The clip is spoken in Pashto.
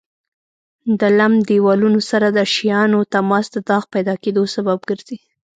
د لمد دېوالونو سره د شیانو تماس د داغ پیدا کېدو سبب ګرځي.